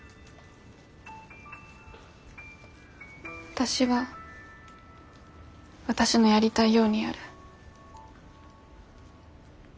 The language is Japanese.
私は私のやりたいようにやる。